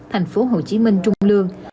tp hcm trung lương